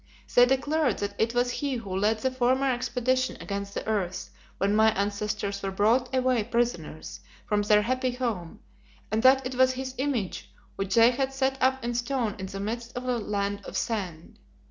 They declared that it was he who led the former expedition against the earth when my ancestors were brought away prisoners from their happy home, and that it was his image which they had set up in stone in the midst of the Land of Sand.